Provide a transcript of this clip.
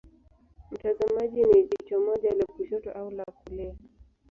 Mtazamaji ni jicho moja la kushoto au la kulia.